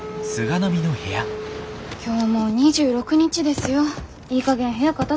今日もう２６日ですよいいかげん部屋片づけないと。